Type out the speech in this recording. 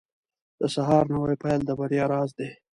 • د سهار نوی پیل د بریا راز دی.